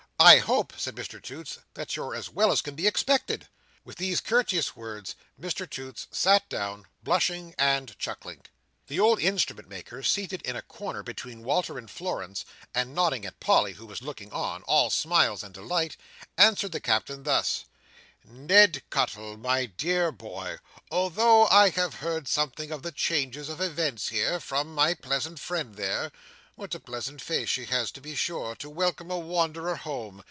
I hope," said Mr Toots, "that you're as well as can be expected." With these courteous words, Mr Toots sat down blushing and chuckling. The old Instrument maker, seated in a corner between Walter and Florence, and nodding at Polly, who was looking on, all smiles and delight, answered the Captain thus: "Ned Cuttle, my dear boy, although I have heard something of the changes of events here, from my pleasant friend there—what a pleasant face she has to be sure, to welcome a wanderer home!"